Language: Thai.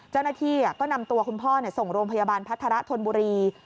เจ้าหน้าที่ก็นำตัวคุณพ่อส่งโรงพยาบาลพัฒระธนบุรี